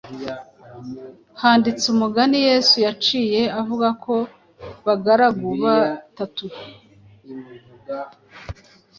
handitse umugani Yesu yaciye avuga ku bagaragu batatu